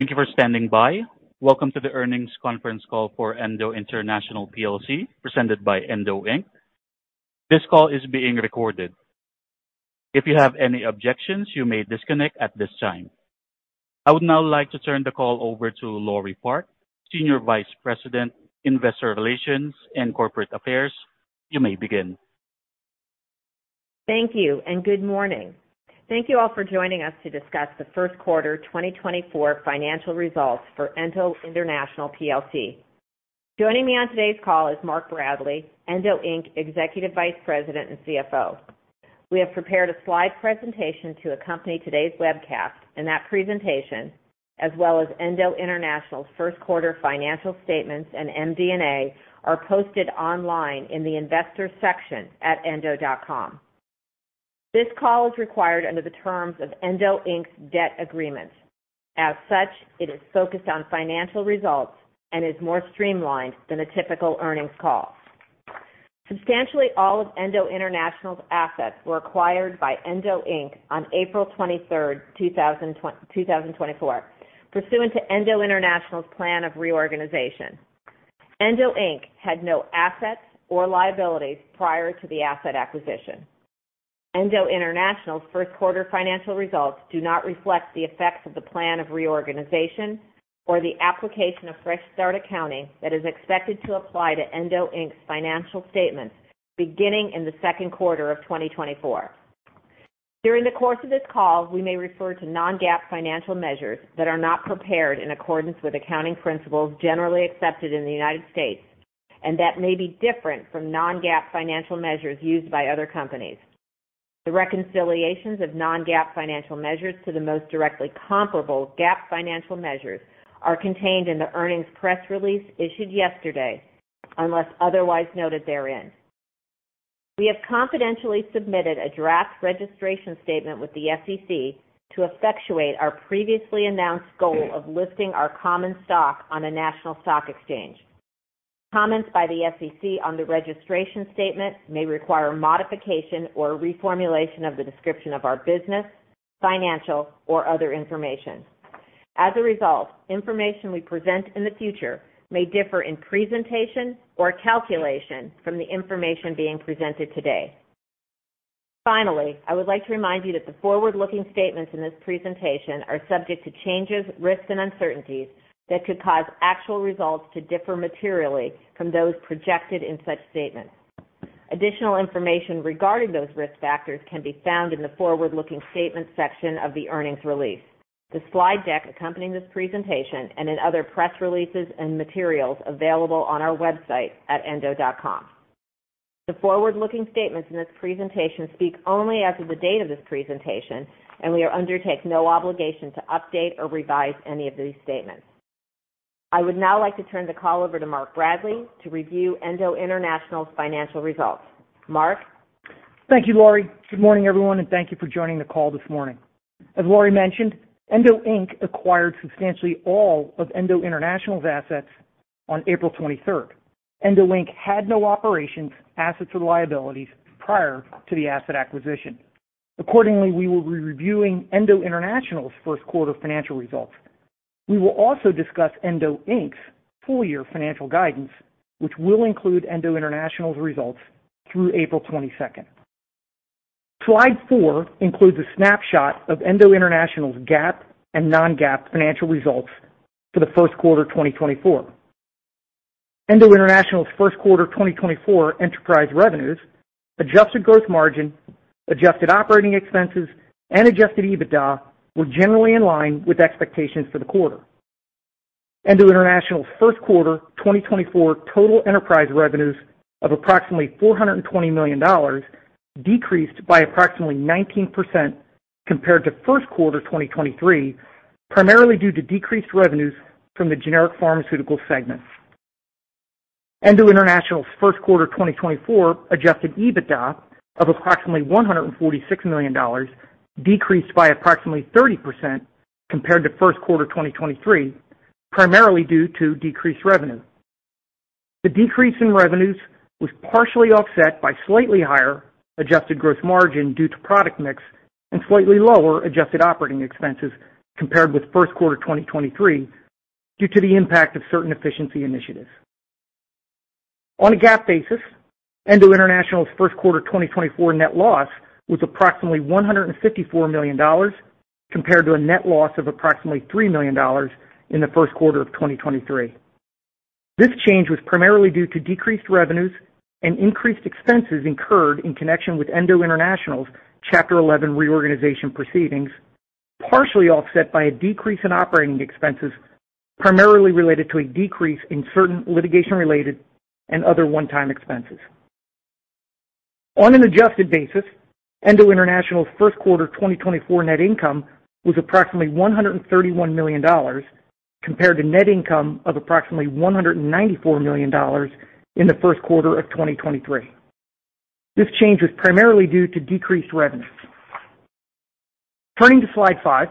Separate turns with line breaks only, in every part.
Thank you for standing by. Welcome to the earnings conference call for Endo International plc, presented by Endo Inc. This call is being recorded. If you have any objections, you may disconnect at this time. I would now like to turn the call over to Laure Park, Senior Vice President, Investor Relations and Corporate Affairs. You may begin.
Thank you and good morning. Thank you all for joining us to discuss the first quarter 2024 financial results for Endo International plc. Joining me on today's call is Mark Bradley, Endo Inc.'s Executive Vice President and CFO. We have prepared a slide presentation to accompany today's webcast, and that presentation, as well as Endo International's first quarter financial statements and MD&A, are posted online in the investors section at endo.com. This call is required under the terms of Endo Inc.'s debt agreement. As such, it is focused on financial results and is more streamlined than a typical earnings call. Substantially all of Endo International's assets were acquired by Endo Inc. on April 23, 2024, pursuant to Endo International's plan of reorganization. Endo Inc. had no assets or liabilities prior to the asset acquisition. Endo International's first quarter financial results do not reflect the effects of the plan of reorganization or the application of fresh start accounting that is expected to apply to Endo Inc.'s financial statements, beginning in the second quarter of 2024. During the course of this call, we may refer to non-GAAP financial measures that are not prepared in accordance with accounting principles generally accepted in the United States, and that may be different from non-GAAP financial measures used by other companies. The reconciliations of non-GAAP financial measures to the most directly comparable GAAP financial measures are contained in the earnings press release issued yesterday, unless otherwise noted therein. We have confidentially submitted a draft registration statement with the SEC to effectuate our previously announced goal of listing our common stock on a national stock exchange. Comments by the SEC on the registration statement may require modification or reformulation of the description of our business, financial, or other information. As a result, information we present in the future may differ in presentation or calculation from the information being presented today. Finally, I would like to remind you that the forward-looking statements in this presentation are subject to changes, risks, and uncertainties that could cause actual results to differ materially from those projected in such statements. Additional information regarding those risk factors can be found in the forward-looking statements section of the earnings release, the slide deck accompanying this presentation, and in other press releases and materials available on our website at endo.com. The forward-looking statements in this presentation speak only as of the date of this presentation, and we undertake no obligation to update or revise any of these statements. I would now like to turn the call over to Mark Bradley to review Endo International's financial results. Mark?
Thank you, Laurie. Good morning, everyone, and thank you for joining the call this morning. As Laurie mentioned, Endo Inc. acquired substantially all of Endo International's assets on April 23. Endo Inc. had no operations, assets, or liabilities prior to the asset acquisition. Accordingly, we will be reviewing Endo International's first quarter financial results. We will also discuss Endo Inc.'s full-year financial guidance, which will include Endo International's results through April 22. Slide four includes a snapshot of Endo International's GAAP and non-GAAP financial results for the first quarter 2024. Endo International's first quarter 2024 enterprise revenues, adjusted gross margin, adjusted operating expenses, and adjusted EBITDA were generally in line with expectations for the quarter. Endo International's first quarter 2024 total enterprise revenues of approximately $420 million decreased by approximately 19% compared to first quarter 2023, primarily due to decreased revenues from the generic pharmaceutical segment. Endo International's first quarter 2024 adjusted EBITDA of approximately $146 million, decreased by approximately 30% compared to first quarter 2023, primarily due to decreased revenue. The decrease in revenues was partially offset by slightly higher adjusted gross margin due to product mix and slightly lower adjusted operating expenses compared with first quarter 2023, due to the impact of certain efficiency initiatives. On a GAAP basis, Endo International's first quarter 2024 net loss was approximately $154 million, compared to a net loss of approximately $3 million in the first quarter of 2023. This change was primarily due to decreased revenues and increased expenses incurred in connection with Endo International's Chapter 11 Reorganization Proceedings, partially offset by a decrease in operating expenses, primarily related to a decrease in certain litigation-related and other one-time expenses. On an adjusted basis, Endo International's first quarter 2024 net income was approximately $131 million, compared to net income of approximately $194 million in the first quarter of 2023. This change is primarily due to decreased revenues. Turning to slide four.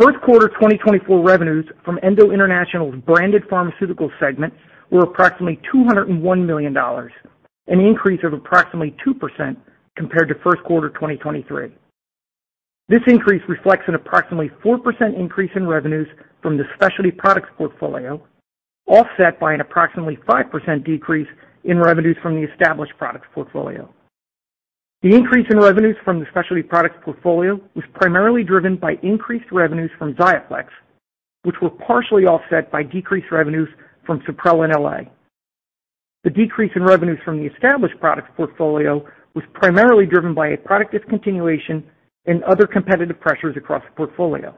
First quarter 2024 revenues from Endo International's branded pharmaceutical segment were approximately $201 million, an increase of approximately 2% compared to first quarter 2023. This increase reflects an approximately 4% increase in revenues from the specialty products portfolio, offset by an approximately 5% decrease in revenues from the established products portfolio. The increase in revenues from the specialty products portfolio was primarily driven by increased revenues from XIAFLEX, which were partially offset by decreased revenues from SUPPRELIN LA. The decrease in revenues from the established products portfolio was primarily driven by a product discontinuation and other competitive pressures across the portfolio.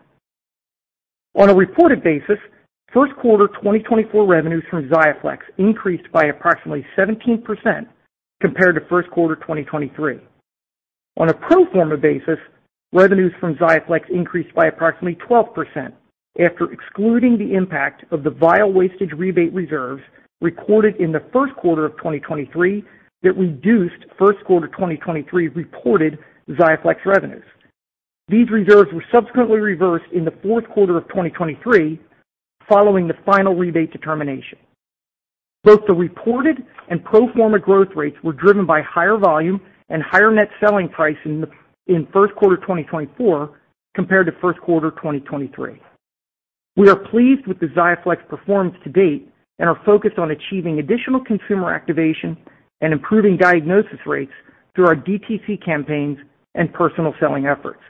On a reported basis, first quarter 2024 revenues from XIAFLEX increased by approximately 17% compared to first quarter 2023. On a pro forma basis, revenues from XIAFLEX increased by approximately 12% after excluding the impact of the vial wastage rebate reserves recorded in the first quarter of 2023, that reduced first quarter 2023 reported XIAFLEX revenues. These reserves were subsequently reversed in the fourth quarter of 2023, following the final rebate determination. Both the reported and pro forma growth rates were driven by higher volume and higher net selling price in first quarter 2024 compared to first quarter 2023. We are pleased with the XIAFLEX performance to date, and are focused on achieving additional consumer activation and improving diagnosis rates through our DTC campaigns and personal selling efforts.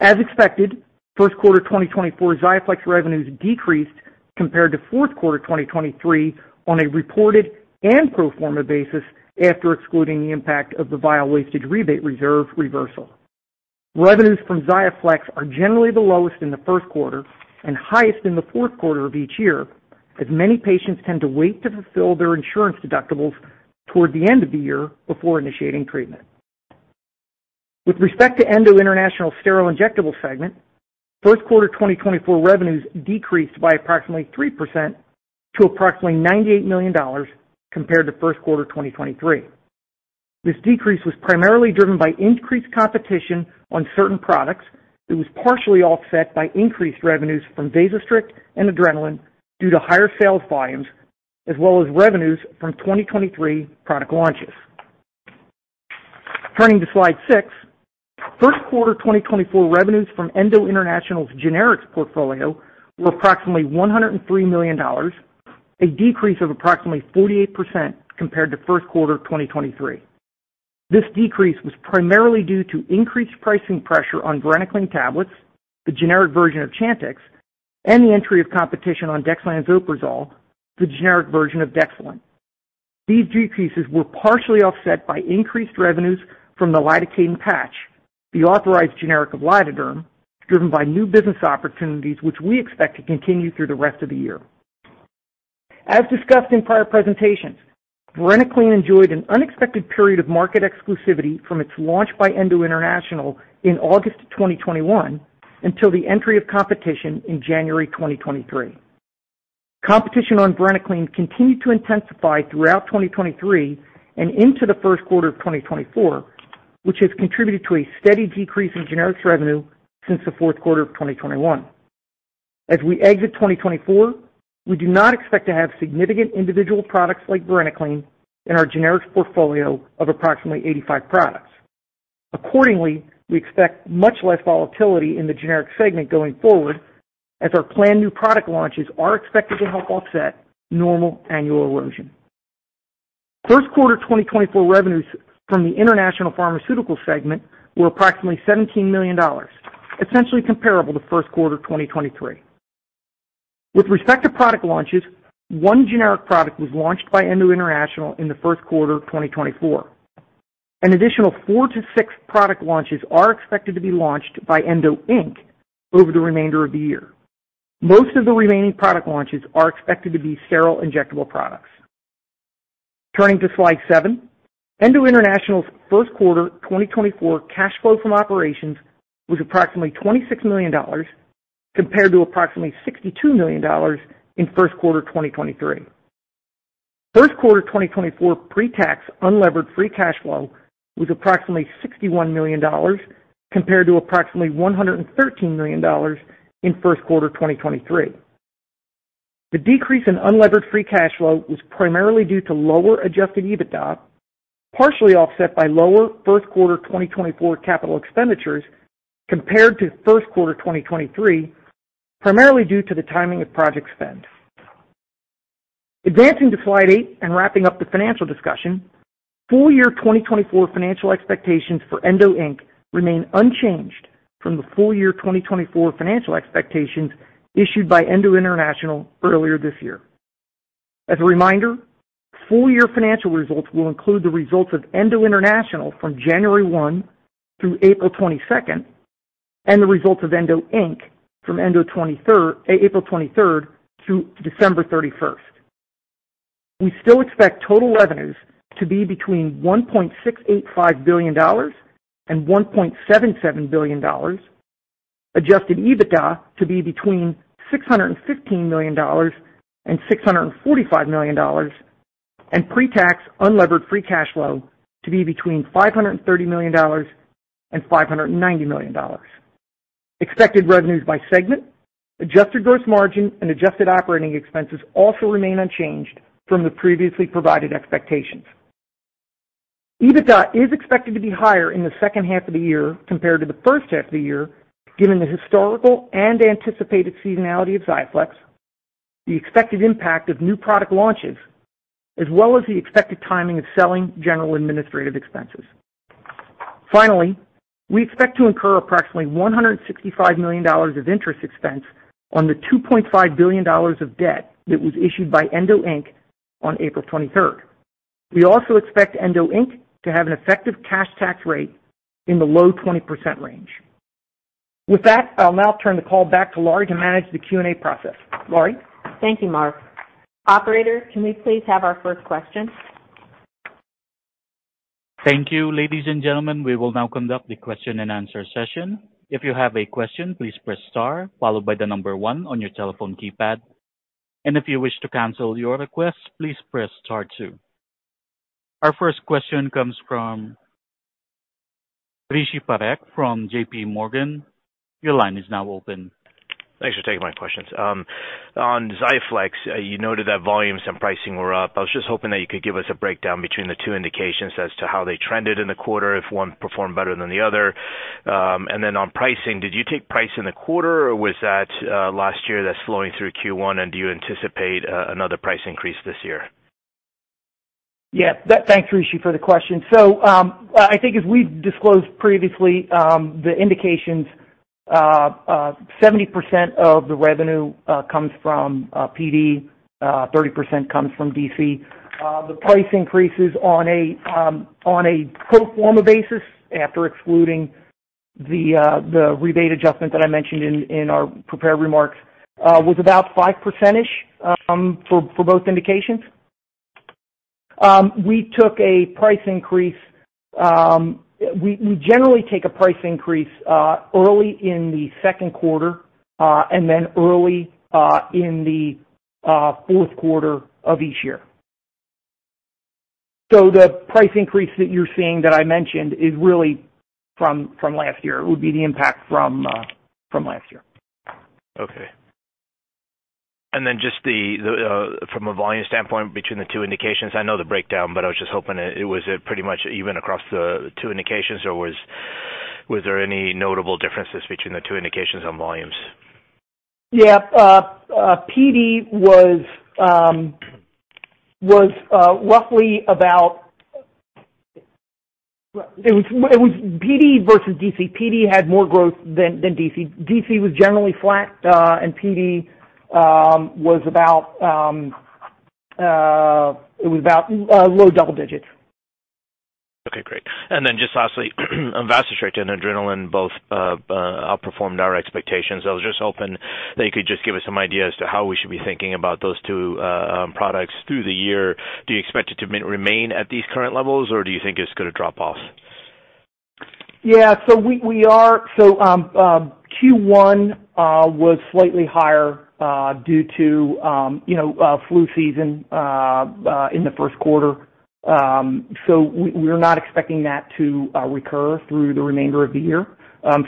As expected, first quarter 2024 XIAFLEX revenues decreased compared to fourth quarter 2023 on a reported and pro forma basis, after excluding the impact of the vial wastage rebate reserve reversal. Revenues from XIAFLEX are generally the lowest in the first quarter and highest in the fourth quarter of each year, as many patients tend to wait to fulfill their insurance deductibles toward the end of the year before initiating treatment. With respect to Endo International Sterile Injectable segment, first quarter 2024 revenues decreased by approximately 3% to approximately $98 million compared to first quarter 2023. This decrease was primarily driven by increased competition on certain products. It was partially offset by increased revenues from Vasostrict and Adrenalin due to higher sales volumes, as well as revenues from 2023 product launches. Turning to Slide 6. First quarter 2024 revenues from Endo International's generics portfolio were approximately $103 million, a decrease of approximately 48% compared to first quarter 2023. This decrease was primarily due to increased pricing pressure on varenicline tablets, the generic version of Chantix, and the entry of competition on dexlansoprazole, the generic version of Dexilant. These decreases were partially offset by increased revenues from the lidocaine patch, the authorized generic of Lidoderm, driven by new business opportunities, which we expect to continue through the rest of the year. As discussed in prior presentations, varenicline enjoyed an unexpected period of market exclusivity from its launch by Endo International in August 2021 until the entry of competition in January 2023. Competition on varenicline continued to intensify throughout 2023 and into the first quarter of 2024, which has contributed to a steady decrease in generics revenue since the fourth quarter of 2021. As we exit 2024, we do not expect to have significant individual products like varenicline in our generics portfolio of approximately 85 products. Accordingly, we expect much less volatility in the generic segment going forward, as our planned new product launches are expected to help offset normal annual erosion. First quarter 2024 revenues from the International Pharmaceutical segment were approximately $17 million, essentially comparable to first quarter 2023. With respect to product launches, one generic product was launched by Endo International in the first quarter of 2024. An additional four to six product launches are expected to be launched by Endo Inc. over the remainder of the year. Most of the remaining product launches are expected to be sterile injectable products. Turning to Slide seven. Endo International's first quarter 2024 cash flow from operations was approximately $26 million, compared to approximately $62 million in first quarter 2023. First quarter 2024 pre-tax unlevered free cash flow was approximately $61 million, compared to approximately $113 million in first quarter 2023. The decrease in unlevered free cash flow was primarily due to lower adjusted EBITDA, partially offset by lower first quarter 2024 capital expenditures compared to first quarter 2023, primarily due to the timing of project spend. Advancing to Slide eight and wrapping up the financial discussion. Full year 2024 financial expectations for Endo Inc. remain unchanged from the full year 2024 financial expectations issued by Endo International earlier this year. As a reminder, full year financial results will include the results of Endo International from January 1 through April 22, and the results of Endo Inc. from April 23 through December 31. We still expect total revenues to be between $1.685 billion and $1.77 billion, adjusted EBITDA to be between $615 million and $645 million, and pre-tax unlevered free cash flow to be between $530 million and $590 million. Expected revenues by segment, adjusted gross margin and adjusted operating expenses also remain unchanged from the previously provided expectations. EBITDA is expected to be higher in the second half of the year compared to the first half of the year, given the historical and anticipated seasonality of XIAFLEX, the expected impact of new product launches, as well as the expected timing of selling general administrative expenses. Finally, we expect to incur approximately $165 million of interest expense on the $2.5 billion of debt that was issued by Endo Inc. on April 23rd. We also expect Endo Inc. to have an effective cash tax rate in the low 20% range. With that, I'll now turn the call back to Laurie to manage the Q&A process. Laurie?
Thank you, Mark. Operator, can we please have our first question?
Thank you. Ladies and gentlemen, we will now conduct the question-and-answer session. If you have a question, please press star, followed by the number one on your telephone keypad. And if you wish to cancel your request, please press star two. Our first question comes from Rishi Parekh from JPMorgan. Your line is now open.
Thanks for taking my questions. On XIAFLEX, you noted that volumes and pricing were up. I was just hoping that you could give us a breakdown between the two indications as to how they trended in the quarter, if one performed better than the other. And then on pricing, did you take price in the quarter, or was that last year that's slowing through Q1, and do you anticipate another price increase this year?
Yeah. Thanks, Rishi, for the question. So, I think as we've disclosed previously, the indications, 70% of the revenue comes from PD, 30% comes from DC. The price increases on a pro forma basis, after excluding the rebate adjustment that I mentioned in our prepared remarks, was about 5% for both indications. We took a price increase... We generally take a price increase early in the second quarter and then early in the fourth quarter of each year. So the price increase that you're seeing that I mentioned is really from last year. It would be the impact from last year.
Okay. And then just from a volume standpoint between the two indications, I know the breakdown, but I was just hoping it was pretty much even across the two indications, or was there any notable differences between the two indications on volumes?
Yeah. PD was roughly about PD versus DC. PD had more growth than DC. DC was generally flat, and PD was about low double digits.
Okay, great. And then just lastly, Vasostrict and Adrenalin both outperformed our expectations. I was just hoping that you could just give us some idea as to how we should be thinking about those two products through the year. Do you expect it to remain at these current levels, or do you think it's going to drop off?
Yeah, so we are. So, Q1 was slightly higher due to you know, flu season in the first quarter. So we, we're not expecting that to recur through the remainder of the year.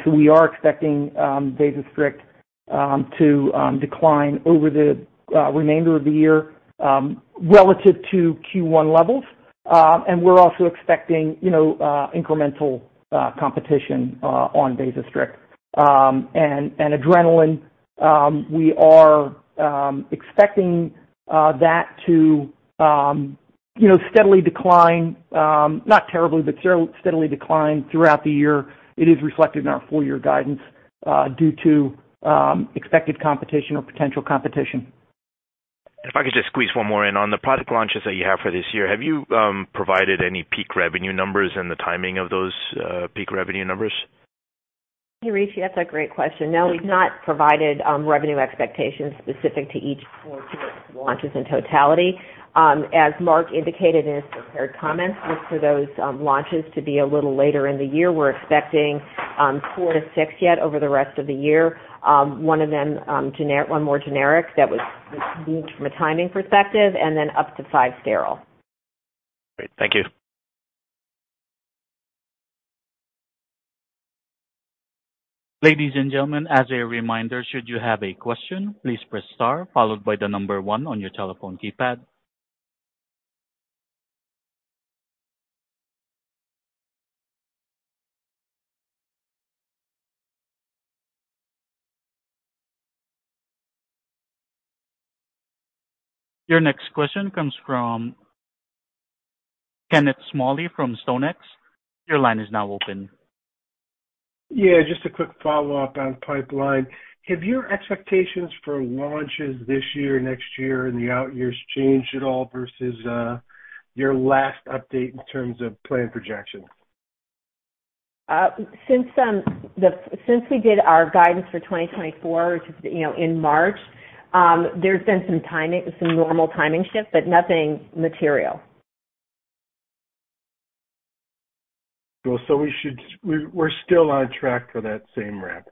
So we are expecting Vasostrict to decline over the remainder of the year relative to Q1 levels. And we're also expecting you know, incremental competition on Vasostrict. And Adrenalin, we are expecting that to you know, steadily decline, not terribly, but steadily decline throughout the year. It is reflected in our full year guidance due to expected competition or potential competition.
If I could just squeeze one more in. On the product launches that you have for this year, have you provided any peak revenue numbers and the timing of those peak revenue numbers?
Thank you, Rishi. That's a great question. No, we've not provided revenue expectations specific to each four to six launches in totality. As Mark indicated in his prepared comments, look for those launches to be a little later in the year. We're expecting four to six yet over the rest of the year. One of them, 1 more generic that was from a timing perspective and then up to five sterile.
Great. Thank you.
Ladies and gentlemen, as a reminder, should you have a question, please press star, followed by the number one on your telephone keypad. Your next question comes from Kenneth Smalley from StoneX. Your line is now open.
Yeah, just a quick follow-up on pipeline. Have your expectations for launches this year, next year, and the out years changed at all versus your last update in terms of plan projections?
Since we did our guidance for 2024, which is, you know, in March, there's been some timing, some normal timing shifts, but nothing material.
So we're still on track for that same ramp.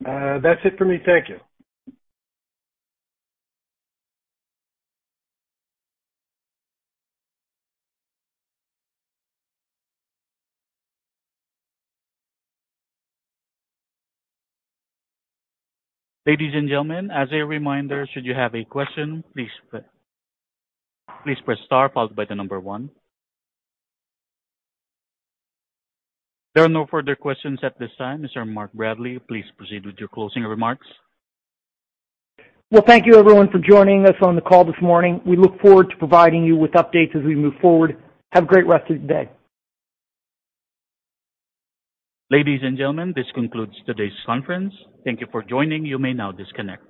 That's it for me. Thank you.
Ladies and gentlemen, as a reminder, should you have a question, please please press star followed by the number one. There are no further questions at this time. Mr. Mark Bradley, please proceed with your closing remarks.
Well, thank you, everyone, for joining us on the call this morning. We look forward to providing you with updates as we move forward. Have a great rest of your day.
Ladies and gentlemen, this concludes today's conference. Thank you for joining. You may now disconnect.